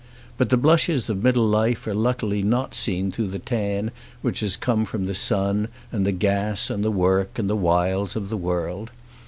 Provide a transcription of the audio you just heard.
But the blushes of middle life are luckily not seen through the tan which has come from the sun and the gas and the work and the wiles of the world.